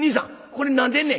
これ何でんねん」。